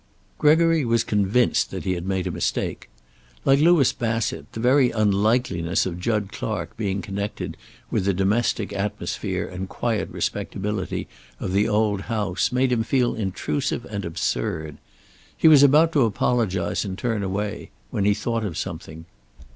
Gregory was convinced that he had made a mistake. Like Louis Bassett, the very unlikeliness of Jud Clark being connected with the domestic atmosphere and quiet respectability of the old house made him feel intrusive and absurd. He was about to apologize and turn away, when he thought of something.